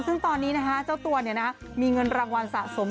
ซึ่งตอนนี้เจ้าตัวมีเงินรางวัลสะสม